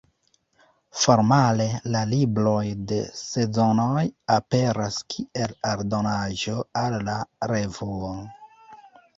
Formale la libroj de Sezonoj aperas kiel aldonaĵo al la revuo.